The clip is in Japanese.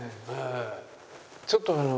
ちょっとあの。